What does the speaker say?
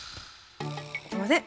すいません！